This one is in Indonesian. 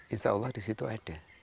insya allah di situ ada